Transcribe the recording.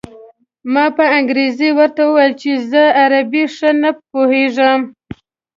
ما په انګرېزۍ ورته وویل چې زه عربي ښه نه پوهېږم.